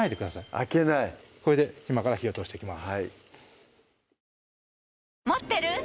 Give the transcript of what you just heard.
開けないこれで今から火を通していきます